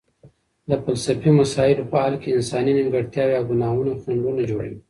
د فلسفي مسایلو په حل کې انساني نیمګړتیاوې او ګناهونه خنډونه جوړوي.